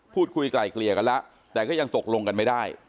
ไกล่เกลี่ยกันแล้วแต่ก็ยังตกลงกันไม่ได้